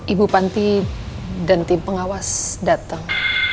ibu panti dan tim pengawas datang